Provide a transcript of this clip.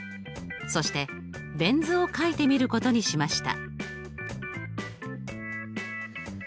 そしてベン図を書いてみることにしました。